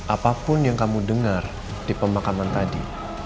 apapun yang kamu dengar di pemakaman tadi